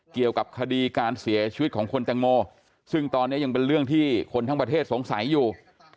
เกี่ยวกับคดีการเสียชีวิตของคุณแตงโมซึ่งตอนนี้ยังเป็นเรื่องที่คนทั้งประเทศสงสัยอยู่